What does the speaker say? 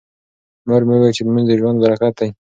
مور مې وویل چې لمونځ د ژوند برکت دی.